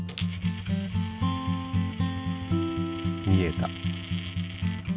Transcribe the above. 見えた。